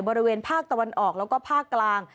บริเวณภาคตะวันออกแล้วก็ภาคกลาง